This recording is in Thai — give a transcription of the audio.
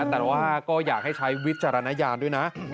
แต่ว่าก็อยากให้ใช้วิจารณญาณด้วยนะ